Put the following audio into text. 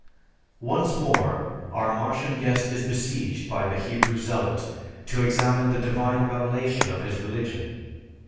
Once more our Martian guest is besieged by the Hebrew Zealot to examine the divine revelation of his religion.